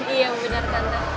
iya benar tante